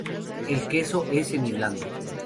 El queso es semi-blando.